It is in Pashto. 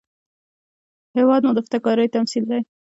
هېواد مو د فداکارۍ تمثیل دی